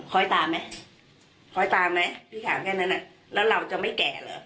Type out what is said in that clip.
ตามไหมคอยตามไหมพี่ถามแค่นั้นอ่ะแล้วเราจะไม่แก่เหรอ